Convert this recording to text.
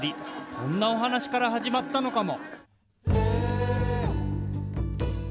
こんなおはなしからはじまったのかも？